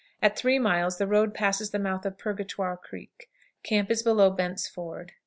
At three miles the road passes the mouth of Purgatoire Creek. Camp is below Bent's Fort.